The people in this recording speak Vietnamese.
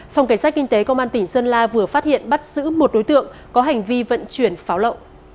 phòng cảnh sát kinh tế công an tỉnh sơn la vừa phát hiện bắt giữ một đối tượng có hành vi vận chuyển pháo lậu